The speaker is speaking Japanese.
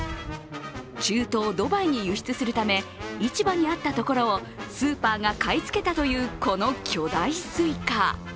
中東ドバイに輸出するため市場にあったところをスーパーが買い付けたというこの巨大スイカ。